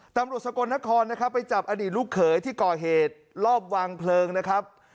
สกลนครนะครับไปจับอดีตลูกเขยที่ก่อเหตุรอบวางเพลิงนะครับ